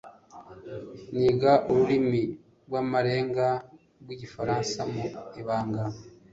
niga ururimi rw'amarenga rw'igifaransa mu ibanga